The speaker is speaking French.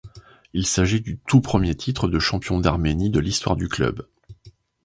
Il s'agit du tout premier titre de champion d'Arménie de l'histoire du club.